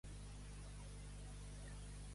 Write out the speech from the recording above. Portar merda a la quilla.